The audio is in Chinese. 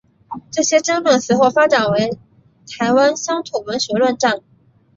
这些争论随后发展为台湾乡土文学论战。